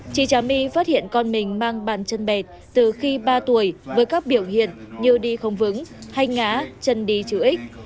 chị trà my phát hiện con mình mang bàn chân bệt từ khi ba tuổi với các biểu hiện như đi không vững hành ngã chân đi chữ x